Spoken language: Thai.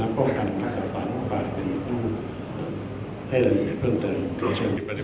บริษัทธิวภาพท่านพูดกันสำนักป้องกันกันต่อไปเป็นรูปให้เราเพิ่มเติม